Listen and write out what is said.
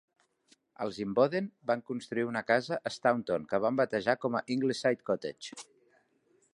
Els Imboden van construir una casa a Staunton que van batejar com a "Ingleside Cottage".